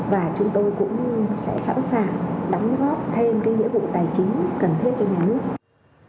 và chúng tôi cũng sẽ sẵn sàng đóng góp thêm cái nghĩa vụ tài chính cần thiết cho nhà nước